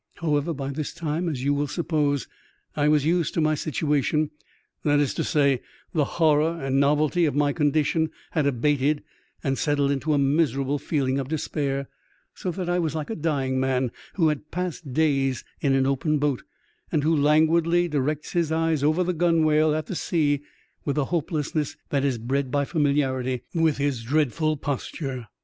However, by this time, as you will suppose, I was used to my situation, that is to say, the horror and novelty of my condition had abated and settled into a miserable feeling of despair, so that I was like a dying man who had passed days in an open boat, and who languidly directs his eyes over the gunwale at the sea, with the hopelessness that is bred by familiarity with his dreadful posture.